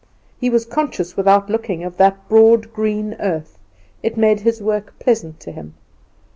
He was conscious without looking of that broad green earth; it made his work pleasant to him.